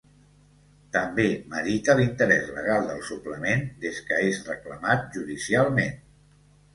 També merita l’interès legal del suplement des que és reclamat judicialment.